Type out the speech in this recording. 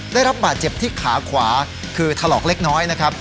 ได้รับบาดเจ็บที่ขาขวาคือถลอกเล็กน้อยนะครับ